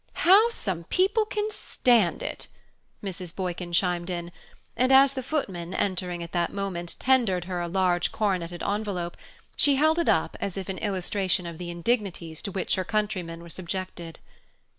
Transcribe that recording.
"How some people can stand it!" Mrs. Boykin chimed in; and as the footman, entering at that moment, tendered her a large coronetted envelope, she held it up as if in illustration of the indignities to which her countrymen were subjected.